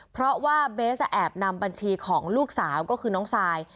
เพราะว่าเบสแอบนำบัญชีของลูกสาวก็คือน้องซาย